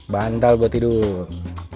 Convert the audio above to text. bantal buat tidur